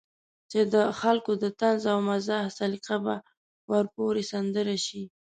چې د خلکو د طنز او مزاح سليقه به ورپورې سندره شي.